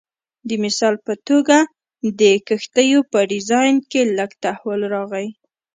د مثال په توګه د کښتیو په ډیزاین کې لږ تحول راغی